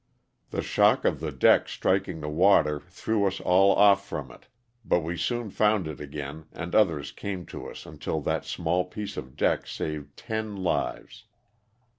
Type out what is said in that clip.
The shock of the deck striking the water threw us all off from it, but we soon found it again and others came to us until that small piece of deck saved ten lives.